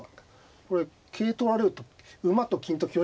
これ桂取られると馬と金と香しか攻め駒が。